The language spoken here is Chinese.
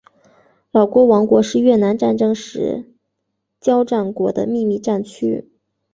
老挝王国是越南战争时交战国的秘密战区。